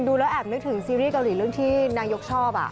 ดูแล้วแอบนึกถึงซีรีสเกาหลีเรื่องที่นายกชอบ